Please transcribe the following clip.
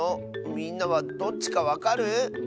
みんなはどっちかわかる？